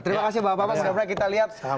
terima kasih pak bapak karena kita lihat